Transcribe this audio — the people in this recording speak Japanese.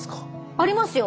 ありますよ。